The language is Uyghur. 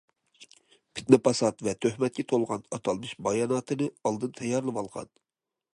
پىتنە- پاسات ۋە تۆھمەتكە تولغان ئاتالمىش باياناتىنى ئالدىن تەييارلىۋالغان.